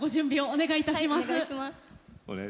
お願いいたします。